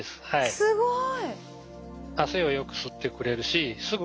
すごい。